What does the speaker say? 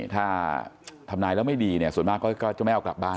ถ้าทำนายแล้วไม่ดีเนี่ยส่วนมากก็จะไม่เอากลับบ้าน